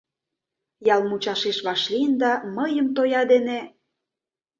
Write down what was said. Ял мучашеш вашлийын да, мыйым тоя дене...